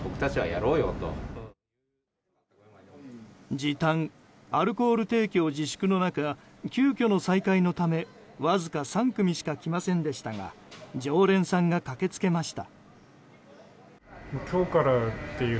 時短、アルコール提供自粛の中急きょの再開のためわずか３組しか来ませんでしたが常連さんが駆け付けました。